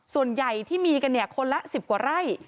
ส่วนใหญ่ที่มีกันคนละ๑๐กว่าไร่